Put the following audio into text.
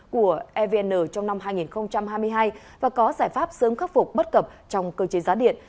của evn trong năm hai nghìn hai mươi hai và có giải pháp sớm khắc phục bất cập trong cơ chế giá điện